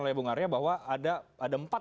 oleh bung arya bahwa ada empat